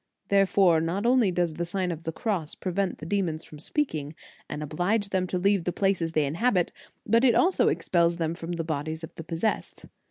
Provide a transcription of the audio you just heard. Therefore not only does the Sign of the Cross prevent the demons from speaking, and oblige them to leave the places they inhabit, but it also expels them from the bodies of the possessed.